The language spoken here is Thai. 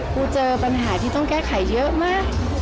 กูเจอปัญหาที่ต้องแก้ไขเยอะมาก